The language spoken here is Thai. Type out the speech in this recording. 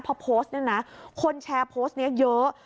พอโพสต์เนี่ยนะคนแชร์โพสต์นี้เยอะ